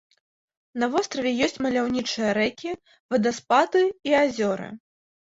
На востраве ёсць маляўнічыя рэкі, вадаспады і азёры.